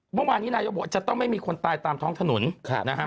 เมื่อวานนี้นายกบอกจะต้องไม่มีคนตายตามท้องถนนนะครับ